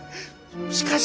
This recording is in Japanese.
しかし。